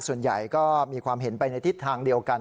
ส่วนใหญ่ก็มีความเห็นไปในทิศทางเดียวกัน